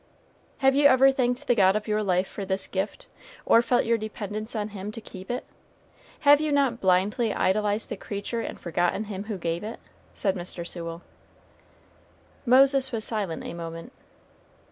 "Had you ever thanked the God of your life for this gift, or felt your dependence on him to keep it? Have you not blindly idolized the creature and forgotten Him who gave it?" said Mr. Sewell. Moses was silent a moment.